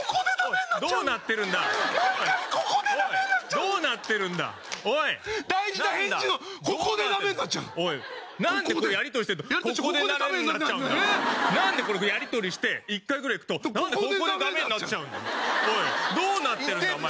どうなってるんだお前。